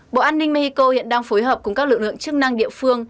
bộ an ninh mexico hiện đang phối hợp cùng các lực lượng chức năng địa phương